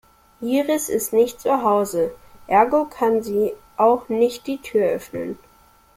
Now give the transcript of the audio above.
Iris ist nicht zu Hause, ergo kann sie euch auch nicht die Tür öffnen.